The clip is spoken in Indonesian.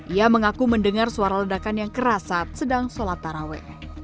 ia mengaku mendengar suara ledakan yang keras saat sedang sholat taraweh